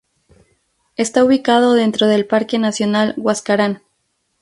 Está ubicado dentro del Parque nacional Huascarán.